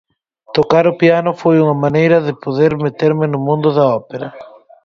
Tocar o piano foi unha maneira de poder meterme no mundo da ópera.